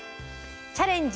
「チャレンジ！